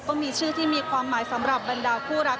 ก็มีชื่อที่มีความหมายสำหรับบรรดาคู่รัก